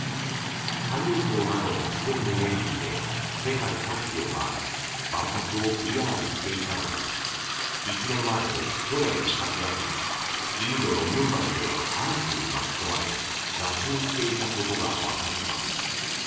太陽光などの自然エネルギーで世界各地を回り万博をＰＲしていたのだが１年前の去年８月にインドのムンバイで嵐に巻き込まれ座礁していたことがわかった。